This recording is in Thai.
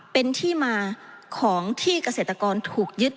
เป็นที่มาของที่เกษตรกรถูกยึด